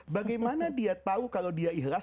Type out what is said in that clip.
bagaimana dia tahu kalau dia ikhlas